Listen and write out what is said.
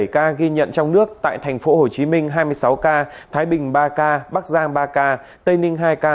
bảy ca ghi nhận trong nước tại tp hcm hai mươi sáu ca thái bình ba ca bắc giang ba ca tây ninh hai ca